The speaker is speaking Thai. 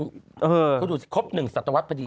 เขาดูครบ๑ศตวรรษพอดี